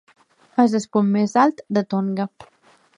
És el punt més alt de Tonga.